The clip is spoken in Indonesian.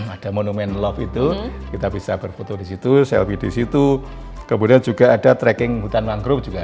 ada monument loof itu kita bisa berfoto disitu selfie disitu kemudian juga ada tracking hutan mangrove juga